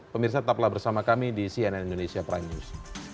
pemirsa tetaplah bersama kami di cnn indonesia prime news